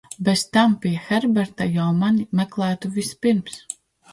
Bez tam pie Herberta jau mani meklētu vispirms.